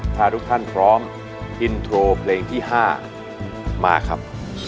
ถ้าทุกท่านพร้อมอินโทรเพลงที่๕มาครับ